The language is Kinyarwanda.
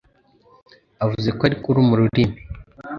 avuze ko ari kuruma ururimi